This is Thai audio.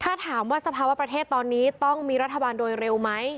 ถ้าถามว่าสภาวะประเทศตอนนี้ต้องมีรัฐบาลโดยเร็วไหม